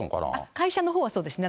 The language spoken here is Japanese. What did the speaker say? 会社のほうはそうですね。